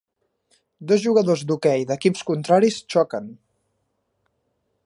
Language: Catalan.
Dos jugadors d'hoquei d'equips contraris xoquen.